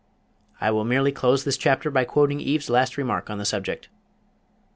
I will merely close this chapter by quoting Eve's last remark on the subject.